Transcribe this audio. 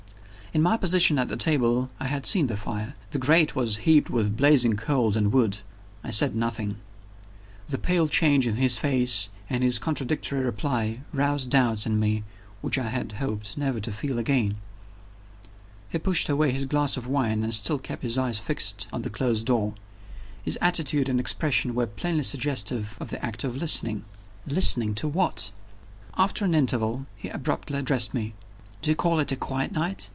In my position at the table, I had seen the fire: the grate was heaped with blazing coals and wood. I said nothing. The pale change in his face, and his contradictory reply, roused doubts in me which I had hoped never to feel again. He pushed away his glass of wine, and still kept his eyes fixed on the closed door. His attitude and expression were plainly suggestive of the act of listening. Listening to what? After an interval, he abruptly addressed me. "Do you call it a quiet night?"